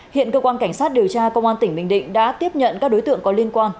hiện cơ quan cảnh sát điều tra công an tỉnh bình định đã tiếp nhận các đối tượng có liên quan